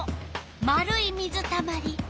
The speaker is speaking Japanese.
丸い水たまり。